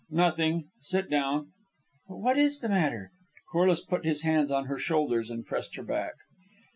"Nothing. Sit down." "But what is the matter?" Corliss put his hands on her shoulders and pressed her back.